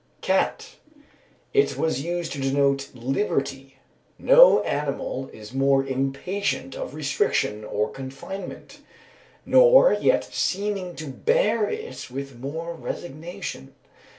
Cat. It was used to denote "Liberty." No animal is more impatient of restriction or confinement, nor yet seeming to bear it with more resignation.